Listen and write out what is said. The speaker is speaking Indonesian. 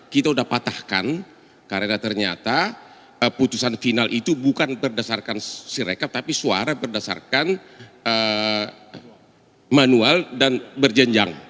kita sudah patahkan karena ternyata putusan final itu bukan berdasarkan sirekat tapi suara berdasarkan manual dan berjenjang